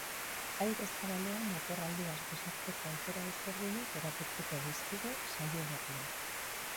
Aire zabalean oporraldiaz gozatzeko aukera ezberdinak erakutsiko dizkigu saio berriak.